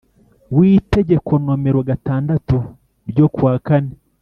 w Itegeko nomero gatandatu ryo kuwa kane